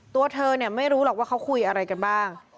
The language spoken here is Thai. ตัวเธอเนี่ยไม่รู้หรอกว่าเขาคุยอะไรกันบ้าง